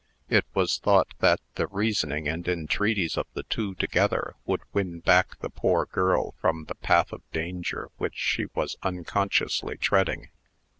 It was thought that the reasoning and entreaties of the two together would win back the poor girl from the path of danger which she was unconsciously treading.